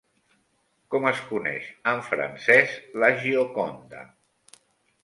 Com es coneix en francès La Gioconda?